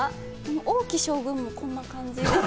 王騎将軍もこんな感じ。